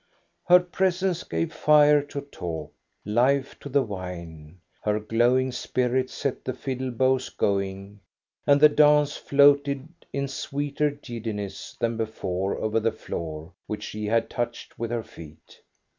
Her presence gave fire to talk, life to the wine. Her glowing spirit set the fiddle bows going, and the dance Eoated in sweeter giddiness than before over the floor which she had touched with her feet.